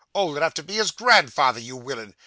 'Old enough to be his grandfather, you willin!